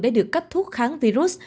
để được cấp thuốc kháng virus